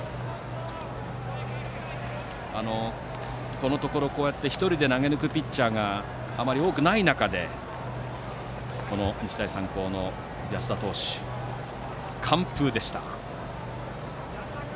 このところ、こうやって１人で投げ抜くピッチャーがあまり多くない中で日大三高の安田投手は完封でした。